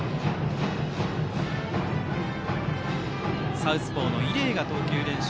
サウスポーの伊禮が投球練習。